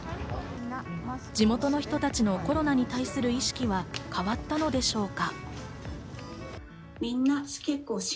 地元の人たちのコロナに対する意識は変わったのでしょうか。